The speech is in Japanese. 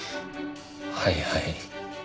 はいはい。